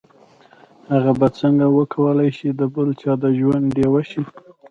هغه به څنګه وکولای شي د بل چا د ژوند ډيوه شي.